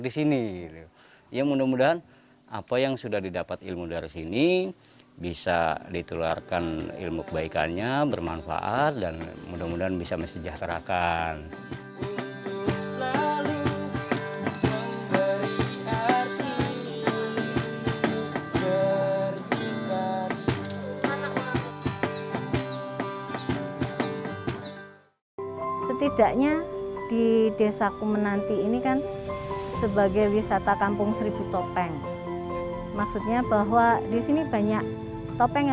sampailah pada kehidupan yang